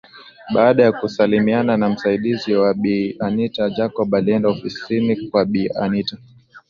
Baada ya kusalimiana na msaidizi wa Bi Anita Jacob alienda ofisini kwa bi anita